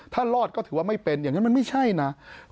ถ้ารอดก็ถือว่าไม่เป็นอย่างนั้นมันไม่ใช่นะ